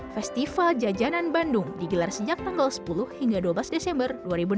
festival jajanan bandung digelar sejak tanggal sepuluh hingga dua belas desember dua ribu enam belas